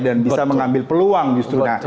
dan bisa mengambil peluang justru